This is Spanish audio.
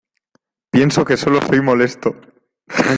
Pienso que solo soy molesto.